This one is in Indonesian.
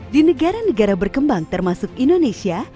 di negara negara berkembang termasuk indonesia